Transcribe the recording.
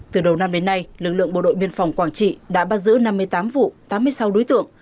từ đầu năm đến nay lực lượng bộ đội biên phòng quảng trị đã bắt giữ năm mươi tám vụ tám mươi sáu đối tượng